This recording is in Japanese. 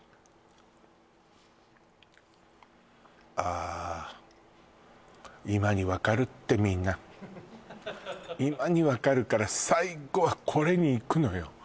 あ今に分かるってみんな今に分かるから最後はこれにいくのよ